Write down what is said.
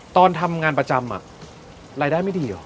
ตอนทำงานประจำรายได้ไม่ดีเหรอ